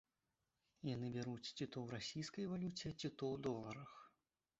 Яны бяруць ці то ў расійскай валюце, ці то ў доларах.